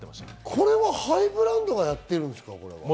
これはハイブランドがやってるんですか？